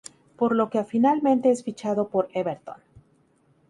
Por lo que a finalmente es fichado por Everton.